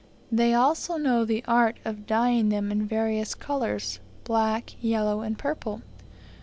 They also know the art of dyeing them in various colours black, yellow, and purple.